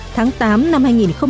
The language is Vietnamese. tháng tám năm hai nghìn một mươi chín